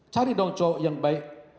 cari dong cowok yang baik